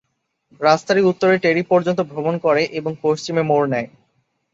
রাস্তাটি উত্তরে টেরি পর্যন্ত ভ্রমণ করে এবং পশ্চিমে মোড় নেয়।